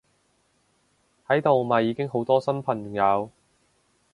喺度咪已經好多新朋友！